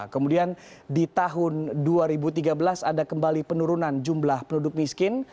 kemudian di tahun dua ribu tiga belas ada kembali penurunan jumlah penduduk miskin